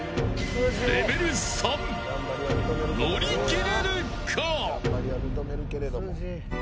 レベル３乗り切れるか。